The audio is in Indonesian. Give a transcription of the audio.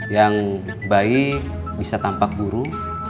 yang baik bisa tampak buruk